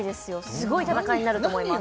すごい戦いになると思います